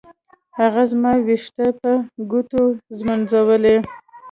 هغه زما ويښته په ګوتو ږمنځوي.